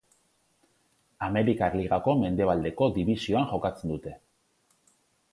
Amerikar Ligako Mendebaldeko Dibisioan jokatzen dute.